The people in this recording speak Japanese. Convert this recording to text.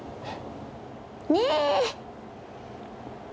ねえ。